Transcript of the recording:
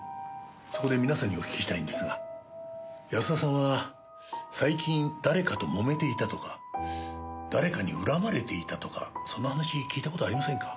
そこで皆さんにお聞きしたいんですが安田さんは最近誰かともめていたとか誰かに恨まれていたとかそんな話聞いた事ありませんか？